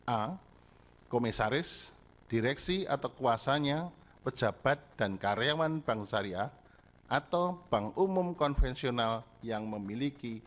a komisaris direksi atau kuasanya pejabat dan karyawan bank syariah atau bank umum konvensional yang memiliki